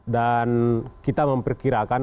dan kita memperkirakan